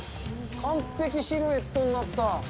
完璧シルエットになった。